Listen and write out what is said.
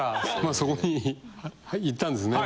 そこに行ったんですね。